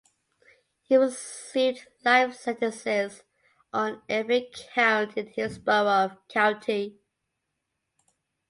He received life sentences on every count in Hillsborough County.